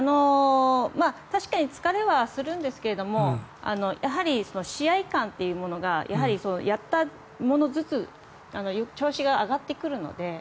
確かに疲れはするんですがやはり試合勘というものがやったものずつ調子が上がってくるので。